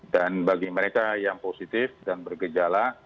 dan bagi mereka yang positif dan berkejala